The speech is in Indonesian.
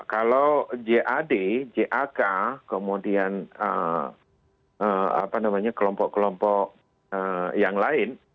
kalau jad jak kemudian kelompok kelompok yang lain